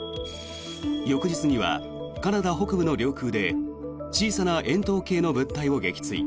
翌日にはカナダ北部の領空で小さな円筒形の物体を撃墜。